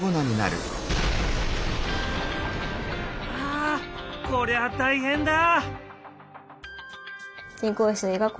あこりゃあ大変だ！